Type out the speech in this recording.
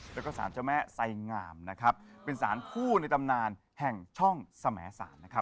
แล้วก็สารเจ้าแม่ไสงามนะครับเป็นสารคู่ในตำนานแห่งช่องสมสารนะครับ